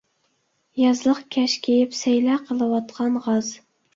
يازلىق كەش كىيىپ سەيلە قىلىۋاتقان غاز.